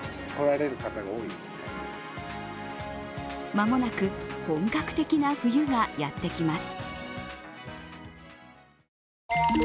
間もなく本格的な冬がやってきます。